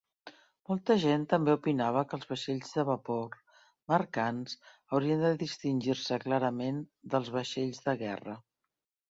Molta gent també opinava que els vaixells de vapor mercants haurien de distingir-se clarament dels vaixells de guerra.